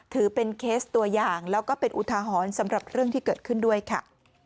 ถือเป็นเคสตัวอย่างแล้วก็เป็นอุทาหรณ์สำหรับเรื่องที่เกิดขึ้นด้วยค่ะ